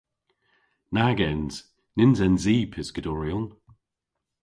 Nag ens. Nyns ens i pyskadoryon.